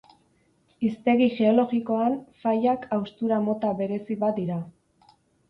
Hiztegi geologikoan, failak haustura mota berezi bat dira.